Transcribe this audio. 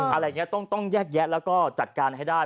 อะไรอย่างนี้ต้องแยกแยะแล้วก็จัดการให้ได้